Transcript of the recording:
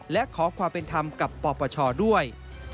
และขอความเป็นธรรมกับปปชด้วย